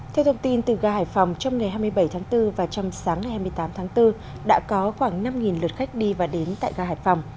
theo thông tin từ gà hải phòng trong ngày hai mươi bảy tháng bốn và trong sáng ngày hai mươi tám tháng bốn đã có khoảng năm lượt khách đi và đến tại gà hải phòng